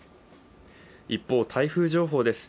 一方、台風情報です。